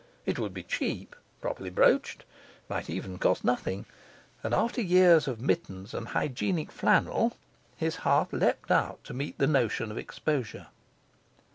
It would be cheap; properly broached, it might even cost nothing, and, after years of mittens and hygienic flannel, his heart leaped out to meet the notion of exposure.